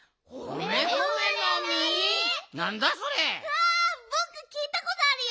わぼくきいたことあるよ！